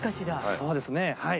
そうですねはい。